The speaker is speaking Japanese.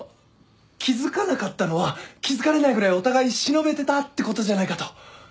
気付かなかったのは気付かれないぐらいお互い忍べてたってことじゃないかと。